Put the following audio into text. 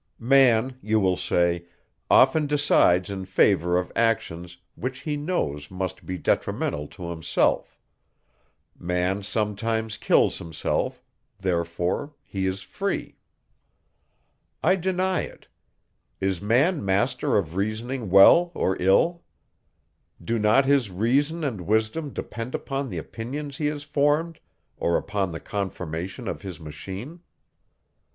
"Man," you will say, "often decides in favour of actions, which he knows must be detrimental to himself; man sometimes kills himself; therefore he is free." I deny it. Is man master of reasoning well or ill? Do not his reason and wisdom depend upon the opinions he has formed, or upon the conformation of his machine?